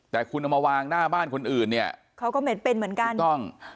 แต่คุณเอามาวางหน้าบ้านคนอื่นเนี่ยเขาก็เหม็นเป็นเหมือนกันถูกต้อง